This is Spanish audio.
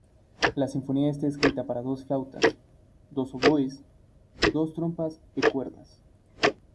La sinfonía está escrita para dos flautas, dos oboes, dos trompas e cuerdas.